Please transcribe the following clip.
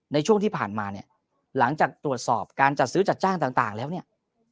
ในช่วงที่ผ่านมาเนี่ยหลังจากตรวจสอบการจัดซื้อจัดจ้างต่างแล้วเนี่ย